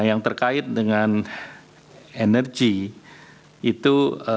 yang terkait dengan energi itu